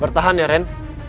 bertahan ya ren